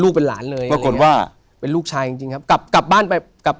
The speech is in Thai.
ลูกเป็นหลานเลยเป็นลูกชายจริงครับกลับกลับบ้านไปกลับ